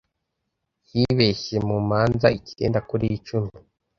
Yibeshye mu manza icyenda kuri icumi.